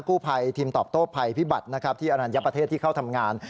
ภัยทีมตอบโต้ภัยพิบัตรนะครับที่อรัญญประเทศที่เข้าทำงาน